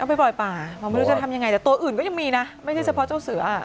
ไปปล่อยป่าเราไม่รู้จะทำยังไงแต่ตัวอื่นก็ยังมีนะไม่ใช่เฉพาะเจ้าเสือ